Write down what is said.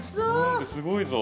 すごいぞ。